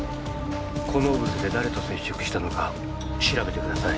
この小布施で誰と接触したのか調べてください。